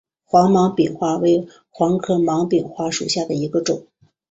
黄芒柄花为豆科芒柄花属下的一个种。